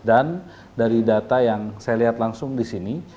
dan dari data yang saya lihat langsung di sini